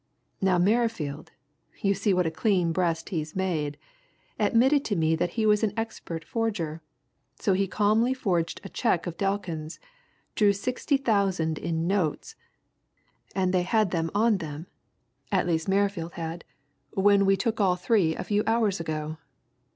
Now Merrifield you see what a clean breast he's made admitted to me that he was an expert forger so he calmly forged a cheque of Delkin's, drew sixty thousand in notes and they had them on them at least Merrifield had when we took all three a few hours ago.